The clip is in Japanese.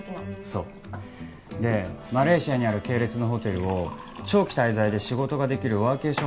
そうでマレーシアにある系列のホテルを長期滞在で仕事ができるワーケーションホテルに